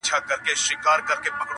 o کار چي په سلا سي، بې بلا سي!